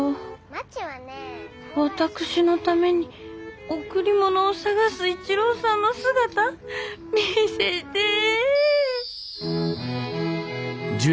私のために贈り物を探す一郎さんの姿見せてえ！